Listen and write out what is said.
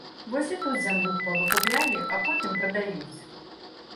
Вось і тут зямлю павыкуплялі, а потым прадаюць.